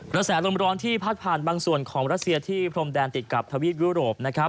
กระแสลมร้อนที่พัดผ่านบางส่วนของรัสเซียที่พรมแดนติดกับทวีปยุโรปนะครับ